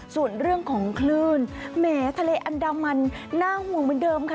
ส่วนเรื่องของคลื่นแหมทะเลอันดามันน่าห่วงเหมือนเดิมค่ะ